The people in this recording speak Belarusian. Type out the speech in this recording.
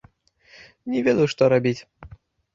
Не ведаў, што рабіць.